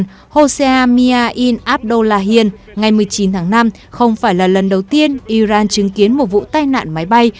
ngoại trưởng iran hosea mia in abdullahian ngày một mươi chín tháng năm không phải là lần đầu tiên iran chứng kiến một vụ tai nạn máy bay